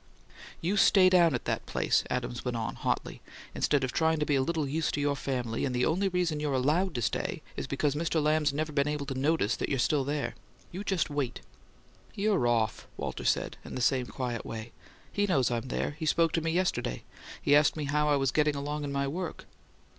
"You stay down at that place," Adams went on, hotly, "instead of trying to be a little use to your family; and the only reason you're ALLOWED to stay there is because Mr. Lamb's never happened to notice you ARE still there! You just wait " "You're off," Walter said, in the same quiet way. "He knows I'm there. He spoke to me yesterday: he asked me how I was getting along with my work."